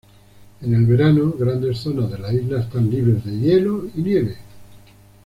En el verano, grandes zonas de la isla están libres de hielo y nieve.